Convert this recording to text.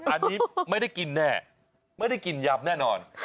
อันนี้ไม่ได้กินแน่ไม่ได้กินยำแน่นอน